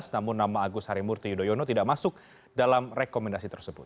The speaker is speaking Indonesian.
namun nama agus harimurti yudhoyono tidak masuk dalam rekomendasi tersebut